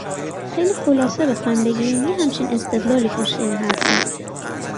خیلی خلاصه بخوایم بگیم یه همچین استدلالی پشت این حرف هست